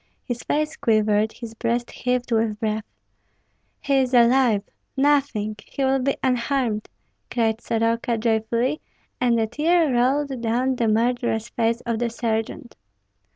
His face quivered, his breast heaved with breath. "He is alive! nothing! he will be unharmed," cried Soroka, joyfully; and a tear rolled down the murderous face of the sergeant.